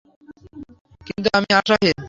কিন্তু আমি আশাহীন।